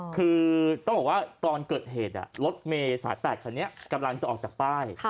คือต้องบอกว่าตอนเกิดเหตุรถเมย์สาย๘คันนี้กำลังจะออกจากป้าย